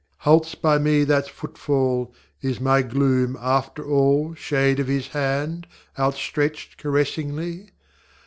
ŌĆÖ Halts by me that footfall: Is my gloom, after all, Shade of His hand, outstretched caressingly?